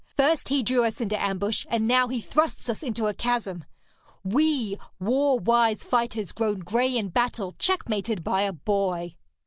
First, he drew us into ambush, and now he thrusts us into a chasm. We war wise fighters, grown grey in battle, checkmated by a boy!'